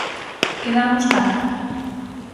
Quedamos catro.